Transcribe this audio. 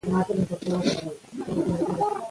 مونږ ټول يو مېز ته ناست وو